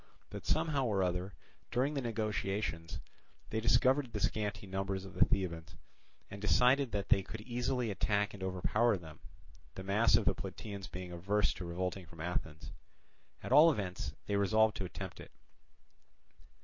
But somehow or other, during the negotiations, they discovered the scanty numbers of the Thebans, and decided that they could easily attack and overpower them; the mass of the Plataeans being averse to revolting from Athens. At all events they resolved to attempt it.